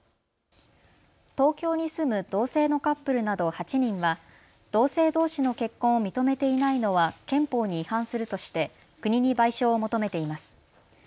東京に住む同性のカップルなど８人は同性どうしの結婚を認めていないのは憲法に違反するとして国に賠償を求めています。